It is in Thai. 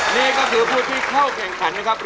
นี่ก็คือผู้ที่เข้าแข่งขันนะครับ